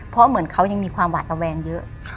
เพราะเหมือนเขายังมีความหวาดระแวงเยอะ